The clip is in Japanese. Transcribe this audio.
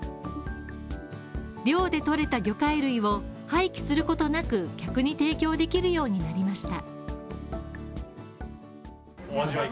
漁で獲れた魚介類を廃棄することなく、客に提供できるようになりました。